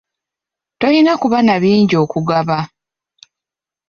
Toyina kuba na bingi okugaba.